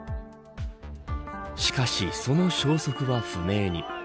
しかし、その消息は不明に。